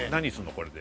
これで。